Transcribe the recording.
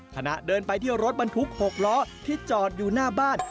ขณะเดินไปที่รถบรรทุก๖ล้อที่จอดอยู่หน้าบ้าน